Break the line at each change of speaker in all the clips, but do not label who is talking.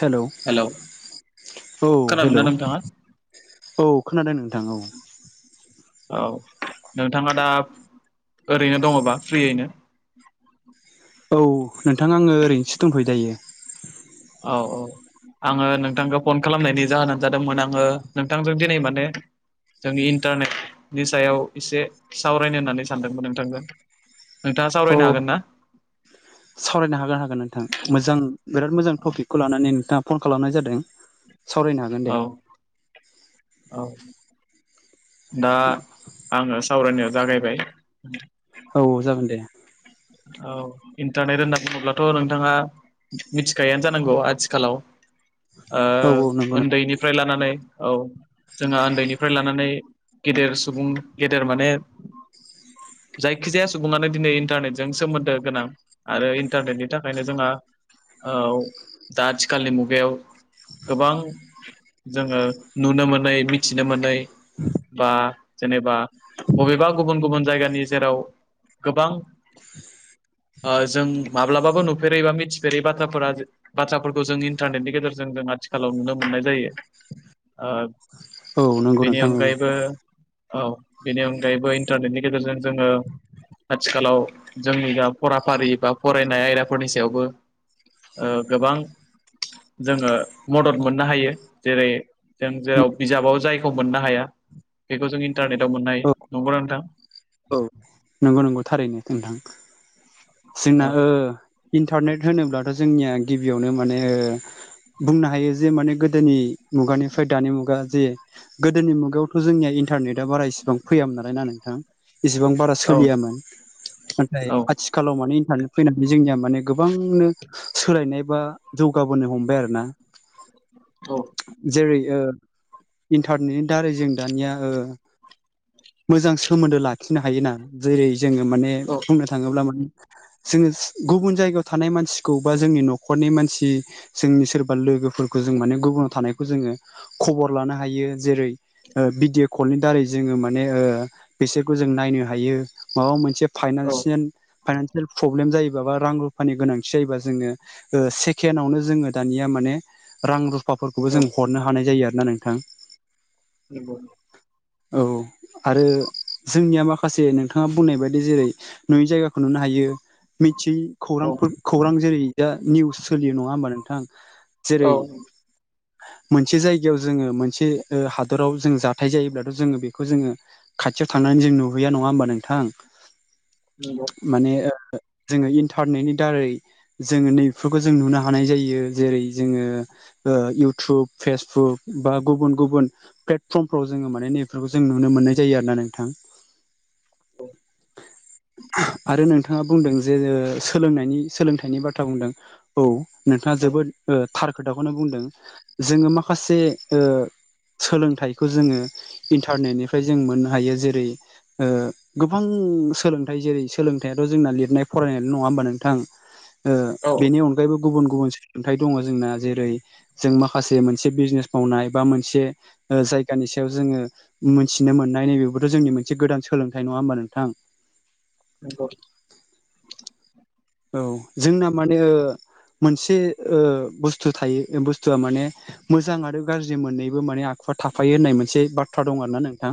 Hello औ
खोनादोंना
hello
नोंथाङा
[inaudible] औ खोनादों नोंथां औ
औ नोंथाङा दा ओरैनो दङबा फ्रियैनो?
औ नोंथाङा आङो ओरैनोसो दंथ'यो दायो।
औ औ आङो नोंथांखौ फन खालामनायनि जाहोनानो जादोंमोन आङो नोंथांजों दिनै माने जोंनि इन्टारनेटनि सायाव एसे सावरायनो होननानै सानदोंमोन नोंथांजों। नोंथाङा
अ
सावरायनो हागोन ना?
सावरायनो हागोन हागोन नोंथां मोजां बिराद मोजां टपिकखौ लानानै नोंथाङा फन खालामनाय जादों। सावरायनो हागोन दे
औ [inaudible] औ दा आङो सावरायनायाव जागायबाय
औ औ जागोन दे
औ इन्टारनेट होनना बुङोब्लाथ' नोंथाङा मिथिखायानो जानांगौ आथिखालाव ओ
औ औ नंगौ
उन्दैनि फ्राय लानानै औ जोंहा उन्दैनिफ्राय लानानै गेदेर सुबुं गेदेर माने जायखिजायागौ माने दिनै इन्टारनेट जों सोमोन्दो गोनां आरो इन्टारनेटनि थाखायनो जोंहा औ दा आथिखालनि मुगायाव गोबां जोङो नुनो मोनै मिथिनो मोनै बा जेनेबा बबेबा गुबुन गुबुन जायगानि जेराव गोबां जों माब्लाबाबो नुफेरैबा मिथिफेरै बाथ्राफोरा बाथ्राफोरखौ जों इन्टारनेटनि गेजेरजों जों आथिखालाव नुनो मोननाय जायो। ओ
औ नंगौ
बेनि
नोंथां
अनगायैबो औ बेनि अनगायैबो इन्टारनेटनि गेजेरजों जोङो आथिखालाव जोंनि दा फराफारि बा फरायनाय आयदाफोरनि सायावबो ओ गोबां जोङो मदद मोननो हायो जेरै जों
औ
जेराव बिजाबाव जायखौ मोननो हाया बेखौ जों इन्टारनेटाव मोननो हायो,
औ
नंगौ ना नोंथां?
औ नंगौ नंगौ थारैनो नोंथां जोंना
औ
ओ इन्टारनेट होनोब्लाथ' जोंनिया गिबियावनो माने बुंनो हायो जे माने गोदोनि मुगानिफ्राय दानि मुगा जे गोदोनि मुगायावथ' जोंनिया इन्टारनेटा बारा इसिबां फैयामोन नालाय ना नोंथां इसेबां बारा
औ
सोलियामोन नाथाय
औ
आथिखालाव माने इन्टारनेट फैनानै जोंनिया माने गोबांनो सोलायनाय बा जौगाबोनो हमबाय आरो ना जेरै ओ इन्टारनेटनि दारै जों दानिया ओ मोजां सोमोन्दो लाखिनो हायोना जेरै जोङो माने
औ
बुंनो थाङोब्ला मा जोङो गुबुन जायगायाव थानाय मानसिखौ बा जोंनि न'खरनि मानसि जोंनि सोरबा लोगोफोरखौ जों माने गुबुनाव थानायखौ जोङो खबर लानो हायो जेरै ओ भिडिअ' कलनि दारै जोङो माने बिसोरखौ जों नायनो हायो माबा मोनसे
औ
फाइनानसियान फाइनानसियेल प्रब्लेम जायोबा बा रां रुफानि गोनांथि जायोबा जोङो ओ सेकेणडआवनो जोङो दानिया माने रां रु हौवाफोरखौबो
औ
जों हरनो हानाय जायो आरोना नोंथां।
नंगौ
औ आरो जोंनिया माखासे नोंथाङा बुंनाय बायदि जेरै नुयि जायगाखौ खौ नुनो हायो मिथियै
औ
खौरांफोर खौरां जेरै दा निउस सोलियो नङा होमबा नोंथां
औ
जेरै मोनसे जायगायाव जोङो मोनसे ओ हादराव जों जाथाय जायोब्लाथ' जोङो बेखौ जोङो खाथियाव थांनानै जों नुहैया नङा होमबा नोंथां
नंगौ
माने ओ जोङो इन्टारनेटनि दारै जोङो नैबेफोरखौ जों नुनो हानाय जायो जेरै जोङो ओ इउटुब फेसबुक बा गुबुन गुबुन प्लेटफर्मफ्राव जोङो माने नैफोरखौ जों नुनो मोननाय जायो आरो ना नोंथां। आरो नोंथाङा बुंदों जे ओ सोलोंनायनि सोलोंथाइनि बाथ्रा बुंदों औ नोंथाङा
औ
जोबोद ओ थार खोथाखौनो बुंदों जोङो माखासे ओ सोलोंथाइखौ जोङो इन्टारनेटनिफ्राय जों मोननो हायो जेरै ओ गोबां सोलोंथाइ जेरै सोलोंथाइयाथ' जोंना लिरनाय फरायनायल' नङा होमबा नोंथां
औ
बेनि अन गायैबो गुबुन गुबुन सोलोंथाइ दङ जोंना जेरै जों माखासे मोनसे बिजनेस मावनाय बा मोनसे ओ जायगानि सायाव जोङो मोनथिनो मोननाय नैबे बोथ' जोंनि मोनसे गोदान सोलोंथाइ नङा होमबा नोंथां?
नंगौ।
औ जोंना माने ओ मोनसे ओ बुस्थु थायो बुस्थुआ माने मोजां आरो गाज्रि मोननैबो माने आखुआ थाफायो होननाय मोनसे बा थ्रा दं आरोना नोंथां।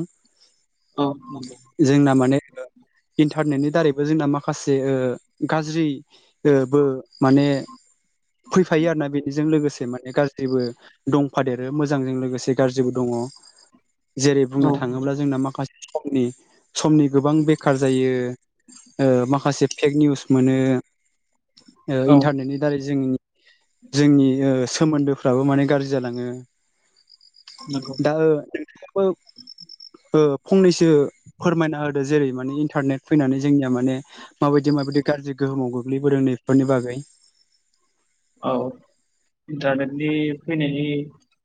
औ
जोंना माने ओ इन्टारनेटनि दारैबो जोंना माखासे ओ गाज्रि ओ बो माने फैफायो आर ना बेनिजों लोगोसे माने गा ज्रिबो दंफादेरो मोजांजों लोगोसे गाज्रिबो दङ। जेरै बुंनो
नंगौ
थाङोब्ला जोंना माखासे समनि समनि गोबां बेखार जायो ओ माखासे फेक निउस मोनो ओ
औ
इन्टारनेटनि दारै जों जोंनि ओ सोमोन्दोफ्राबो माने गाज्रि जालाङो
नंगौ
दा ओ नोंथाङाबो ओ फंनैसो फोरमायना होदो जेरै माने इन्टारनेट फैनानै जोंनिया माने माबायदि माबायदि गाज्रि गोहोमाव गोग्लैबोदों नै बेफोरनि बागै।
औ इन्टारनेटनि फैनायनि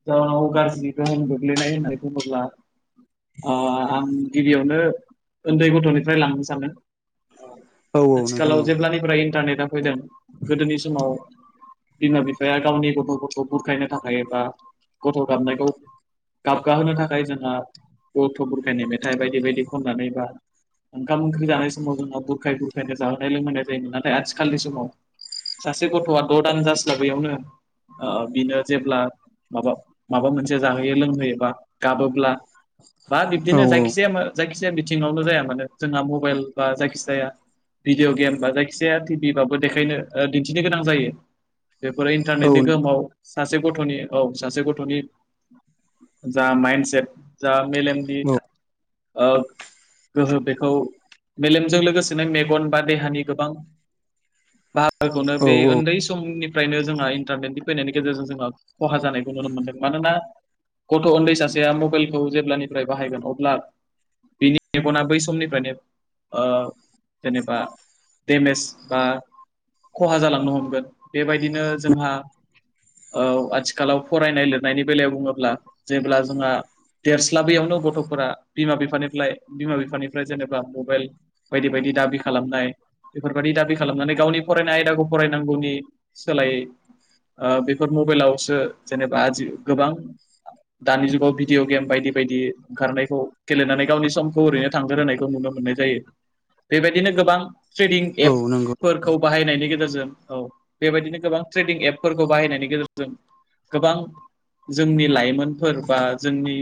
जाउनाव गाज्रिनिफ्राय गोगलैनाय होननानै बुङोब्ला ओ आं गिबियावनो उन्दै गथ'निफ्राय लांनो सानदों
औ औ नोंथां
आथिखालाव
औ
जेब्लानिफ्राय इन्टारनेटआ फैदों गोदोनि समाव बिमा बिफाया गावनि गथ' गथ बुरखायनो थाखायबा गथ' गाबनायखौ गाबगाहोनो थाखाय जोंहा गथ' बुरखनि मेथाइ बायदि बायदि खननानै बा ओंखाम ओंख्रि जानाय समाव जोंहा बुरखाय बुरखायनो जाहोनाय लोंहायनाय जायोन नाथाय आथिखालनि समाव सासे गथ'आ द' दान जास्लाबेैयावनो ओ बिनो जेब्ला माबा माबा मोनसे जाहोयो लोंहोयोबा गाबोब्ला बा
औ
बिब्दिनो जायखिजाया जायखिजाया बिथिङावल' जाया मानो जोंहा मबाइल बा जायखि जाया भिडिअ गेम बा जायखिजाया टिभि बाबो देखायनो दिन्थिनो गोनां जायो बेफोरो
औ
इन्टारनेटनि गोहोमाव सासे गथ'नि औ सासे गथ'नि जा माइन्डसेट जा मेलेमबि गोहो बेखौ मेलेमजों लोगोसेनो मेगन बा देहानि गोबां बाहागोखौनो
औ
बे उन्दै समनिफ्रायनो जोंहा इन्टारनेटनि फैनायनि गेजेरजों जोङो खहा जानायखौ नुनो मोन्दों मानोना गथ' उन्दै सासेया मबाइलखौ जेब्लानिफ्राय बाहायगोन अब्ला बिनि मेगना बै समनिफ्रायनो जेनेबा देमेज बा खहा जालांनो हमगोन बेबायदिनो जोंहा औ आथिखालाव फरायनाय लिरनायनि बेलायाव बुङोब्ला जेब्ला जोंहा देरस्लाबैयावनो गथ'फोरा बिमा बिफानिफ्राय बिमा बिफानिफ्राय जेनेबा मबाइल बायदि बायदि दाबि खालामनाय बेफोरबायदि दाबि खालामनानै गावनि फरायनाय आयदाखौ फरायनांगौनि सोलायै बेफोर मबाइलावसो जेनेबा आज गोबां दानि जुगाव भिदििअ गेम बायदि बायदि ओंखारनायखौ गेलेनानै गावनि समखौ ओरैनो थांदो होनायखौ नुनो मोननाय जायो बेबायदिनो गोबां ट्रेडिं
औ नंगौ
एपफोरखौ बाहायनायनि गेजेरजों औ बेबायदिनो गोबां ट्रेडिं एपफोरखौ बाहायनायनि गेजेरजों गोबां जोंनि लाइमोनफोर बा जोंनि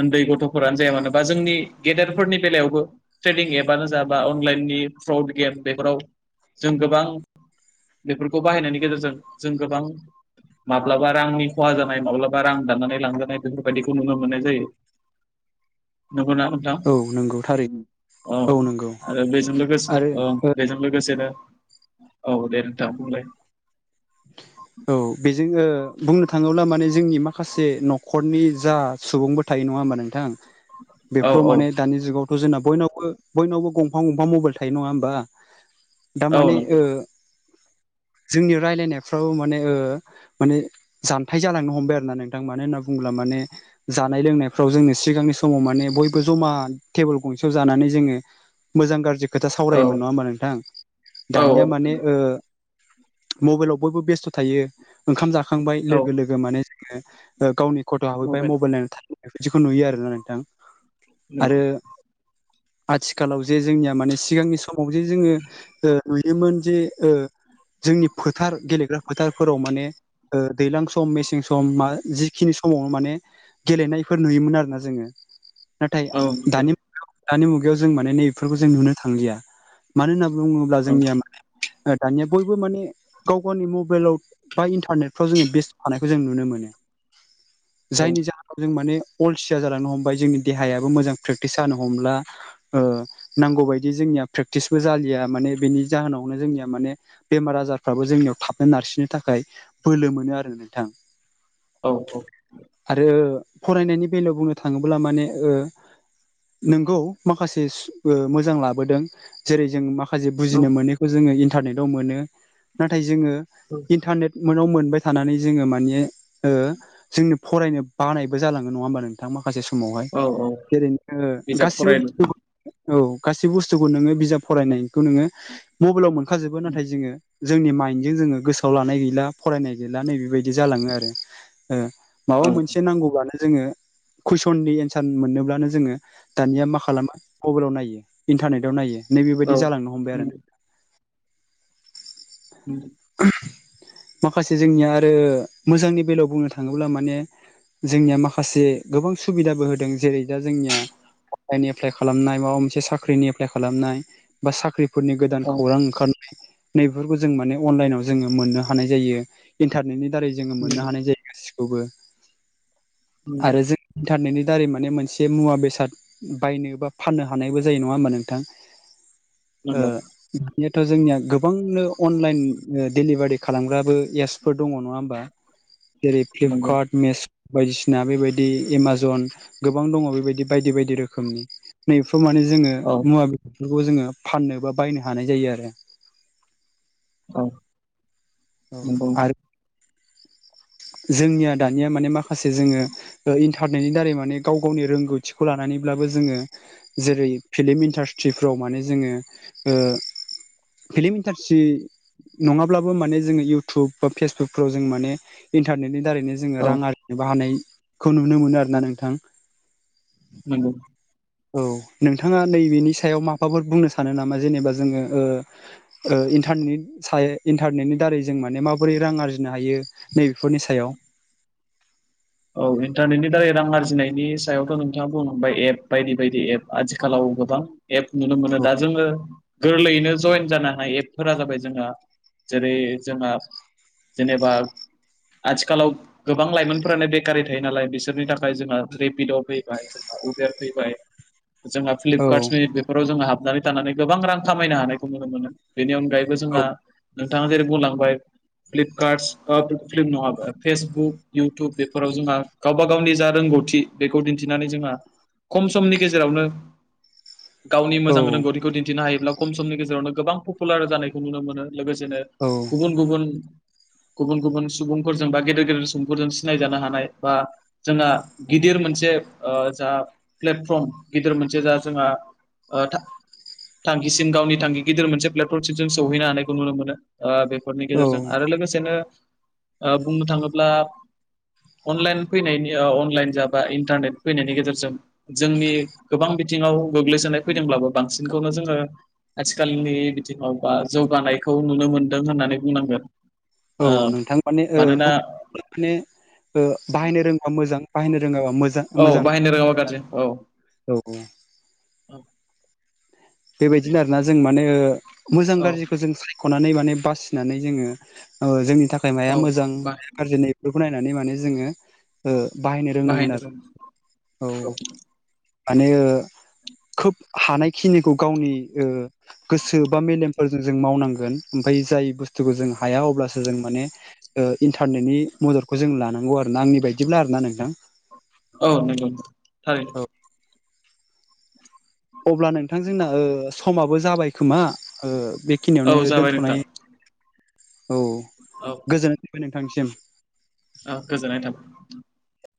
उन्दै गथ'फोरानो जाया मानो बा जोंनि गेदेरफोरनि बेलायावबो ट्रेडिं एपआनो जाबा अनलाइननि फ्रड गेम बेफोराव जों गोबां बेफोरखौ बाहायनायनि गेजेरजों जों गोबां माब्लाबा रांनि खहा जानाय माब्लाबा रां दाननानै लांजानाय बेफोरबायदिखौ नुनो मोननाय जायो नखौ न ां
औ नंगौ थारैनो
औ आरो बेजों लोगोसे
आरो
औ
ओ
बेजों लोगोसेनो औ दे नोंथ बुंलाय
औ बेजों बुंनो थाङोब्ला माने जोंनि माखासे न'खरनि जा सुबुंबो थायो नङा होमबा नोंथां
औ
बेफोराव
औ
माने दानि जुगावथ' जोंना बयनाव बयनावबो गंफां गंफां मबाइल थायो नङा होमबा
औ
दारमाने
नंगौ
जोंनि राय्लायनायफ्रावो माने माने जानथाय जालांनो हमबाय आरो ना नोंथां मानो होनना बुंुङोब्ला माने जानाय लोंनायफ्राव जोंो सिगांनि समाव माने बयबो जमा टेबोल गंसेयाव जानानै जोङो मोजां गाज्रि खोथा
औ
सावरायोमोन नङा होमा नोंथां
औ औ
दानिया माने
नंगौ
मबाइलाव बयबो बेस्थ' थायो ओंखाम जाखांबाय
औ
लोगो लोगो माने जोो गावनि खट' हहैबाय मबाइल नायनानै थनाय बिदिखौ नुयो आरोोना नोंथां
नंगौ
आरो आथिखालाव जे जोंनिया माने सिगांनि समाव जे जोङो बेमोन जे जोंनि फोथार गेलेग्रा फोथारफोराव माने दैज्लां सम मेसें सम मा जिखिनि सम समावनो माने गेलेनायफोर नुयोमोन आरोोना जोङो नाथाय
औ नंगौ
दानि दानि मुगायाव जों माने नै बेफोरखौ जों नुनो थांलिया मानो होनना बुङोब्ला
औ
जोंनिया माने दानिया बयबो माने गाव गावनि मबाइलाव बा इन्टारनेट फाव जोङो बेस्थ' थानायखौ जों नुनो मोनो जायनि जाहोनाव जों माने अलसिया जालांनो हमबाय जोंनि देहायाबो मोजां प्रेक्टिस जानो हमला नांगौ बायदि जोंनिया प्रेकटिसबो जालिया माने बेनि जाहोनावनो जोंनिया माने बेमार आजारफ्राबो जोंनियाव थाबनो नारसिननो थाखाय बोलो मोनो आरो नोंथां
औ औ
आरो फरायनायनि बेलायाव बुंनो थाङोब्ला माने नोंगौ माखासे मोजां लाबोदों जेरै जों माखा माखासे
औ
बुजिनो मोनैखौ जोङो इन्टारनेटाव मोनो नाथाय जोङो इन्टारनेट मोनाव मोनबाय थानानै जोङो मानि ओ जोङो फरायनो बानायबो जालाङो नङा होमबा नों थां माखासे समावहाय
औ औ
जेरै जोङो
बिजाब
गासिबो
फरायनो
बुस्थुखौ औ गासै बुस्थुखौ नोङो बिजाब फरायनायखौ नोङो मबाइलाव मोनखाजोबो नाथाय जोङो जोंनि माइन्डजों जोङो गोसोआव लानाय गैला फरायनाय गैला नैबेबायदि जालाङो आरो माबा
औ
मोनसे नांगौब्लानो जोङो कुइसननि एन्सार मोननोब्लानो जोङो दानिया मा खालामा मबाइलाव नायो इन्टारनेटाव नायो नै
औ
बेबायदि जालांनो हमबाय आरो ना
नंगौ उ
माखासे जोंनिया आरो मोजांनि बेलायाव बुंनो थाङोब्ला माने जोंनिया माखासे गोबां सुबिदाबो होदों जेरै दा जोंनिया अनलाइन एप्लाइ खालामनाय माबा मोनसे साख्रिनि एप्लाइ खालामनाय बा साख्रि फोरनि गोदान
औ
खौरां ओंखारनाय नैफोरखौ जों माने अनलाइनाव जोङो मोननो हानाय जायो। इन्टारनेटनि दारै जोङो मोननो हानाय जायो गासिखौबो
नंगौ
आरो जों इन्टारनेटनि दारै माने मोनसे मुवा बेसाद बायनो बा फाननो हानायबो जायो नङा होमबा नोंथां।
नंगौ
दानियाथ' जोंनिया गोबांनो अनलाइन डेलिभारि खालामग्राबो एपसफोर दङ नङा होमबा जेरै
नंगौ
फ्लिपकार्ट मेस बायदिसिना बेबायदि एमाजन गोबां दङ बेबायदि बायदि बायदि रोखोमनि नैफ्राव माने जोङो
औ
मुवा बेसादफोरखौ जोङो फाननो बा बायनो हानाय जायो आरो।
औ
औ
नंगौ
आरो जोंनिया दानिया माने माखासे जोङो इन्टारनेटनि दारै माने गाव गावनि रोंगौथिखौ लानानैब्लाबो जोङो जेरै फिल्म इन्डास्ट्रि ट्रिफ्राव माने जोङो ओ फिलिम इन्डास्ट्रि नङाब्लाबो माने जोङो इउटुब बा फेसबुकफ्राव जों माने इन्टारनेटनि दारैनो जोङो
औ
रां आर बा हानायखौ नुनो मोनो आरोना नोंथां
नंगौ
औ नोंथाङा नैबेनि सायाव माबाफोर बुंनो सानो नामा जेनेबा जोङो ओ न्टारने स इन्टारनेटनि दारै जों माने माबोरै रां आरजिनो हायो नैबेफोरनि सायाव
औ इन्टारनेटनि दारै रां आरजिनायनि सायावथ' नोंथाङा बुंबाय एप बायदि बायदि एप आथिखालाव गोबां एप नुनो मोनो
औ
दा जोङो गोरलैयैनो जयेन जानो हानाय एपफोरा जाबाय जोंहा जेरै जोंहा जेनेबा आथिखालाव गोबां लाइमोनफोरानो बे गारि थायो नालाय बिसोरनि थाखाय जोंहा रेपिड' फैबाय जोंहा उबेर फैबाय जोंहा
औ
फ्लिपकार्टसनि बेफोराव जोङो हाबनानै थानानै गोबां रां खामायनो हानायखौ नुनो मोनो। बेनि अनगायैबो जोंहा नोंथाङा जेरै बुंलांबाय फ्लिपकार्टस फिल्म नङाबा फेसबुक इउटुब बेफोर फोराव जोंहा गावबा गावनि जा रोंगौथि बेखौ दिन्थिनानै जोंहा खम समनि गेजेरावनो गावनि
औ
मोजां रोंगौथिखौ दिन्थिनो हायोब्ला खम समनि गेजेरावनो गोबां पपुलार जानायखौ नुनो मोनो लोगोसेनो गुबुन गुबुन गुबुन गुबुन सुबुंफोरजों बा गेदेर गेदेर सुबुंफोरजों सिनायजानो हानाय बा जोंहा गिदिर मोनसे जा प्लेटफर्म गिदिर मोनसे जा जोंहा थांखिसिम गावनि थांखि गिदिर मोनसे प्लेटफर्मसिम जों सौहैनो हानायखौ नुनो मोनो। ओ बेफोरनि
औ
गेजेरजों आरो लोगोसेनो ओ बुंनो थाङोब्ला अनलाइन फैनायनि ओ अनलाइन जाबा इन्टारनेट फैनायनि गेजेरजों जोंनि गोबां बिथिङाव गोग्लैसोनाय फैदोंब्लाबो बांसिनखौनो जोङो आथिखालनि बिथिङाव बा जौगानायखौ नुनो मोनदों होननानै बुंनांगोन
औ
ओ
नोंथां माने ओ
मानोना
माने ओ बाहायनो रोंबा मोजां बाहायनो रोङाबा मोज
औ बाहायनो रोङाबा गाज्रि औ।
बेबायदिनो आरोना जों माने मोजां
औ
गाज्रिखौ जों। ख'नानै माने बासिनानै जोङो ओ जोंनि थाखाय माया
औ
मोजां माया गाज्रिनि। बेखौ नायनानै माने जोङो ओ बाहायनो रोंनांगोन आरो औ। माने ओ खोब हानायखिनिखौ गावनि ओ। गोसो बा मेलेमफोरजों जों मावनांगोन ओमफाय जाय बुस्थुखौ जों हाया अब्लासो जों माने। ओ इन्टारनेटनि मददखौ जों लानांगौ आर ना आंनि बायदिब्ला आर ना नोंथां।
औ नंगौ थारैनो।
अब्ला नोंथां जोंना ओ समाबो जाबाय खोमा ओ बेखिनियावनो
औ जाबाय नोंथां
दोनथ'नाय। औ।
औ।
गोजोननाय थाबबाय नोंथांनिसिम।
ओ गोजोननाय थाबाय।